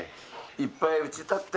いっぱいうち建って。